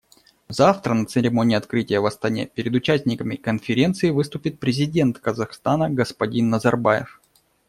Завтра на церемонии открытия в Астане перед участниками Конференции выступит Президент Казахстана господин Назарбаев.